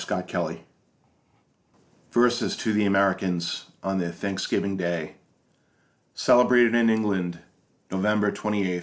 HARVEST HOME VERSES TO THE AMERICANS ON THEIR THANKSGIVING DAY, CELEBRATED IN ENGLAND NOVEMBER 28, 1918.